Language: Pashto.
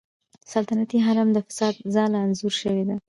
سلطنتي حرم د فساد ځاله انځور شوې ده.